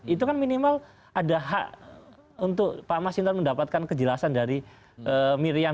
itu kan minimal ada hak untuk pak mas hinton mendapatkan kejelasan dari miriam